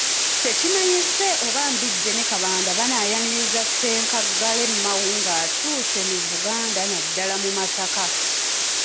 Tekimanyise oba Mbidde ne Kabanda banaayaniriza Ssenkaggale Mao ng'atuuse mu Buganda naddala mu Masaka.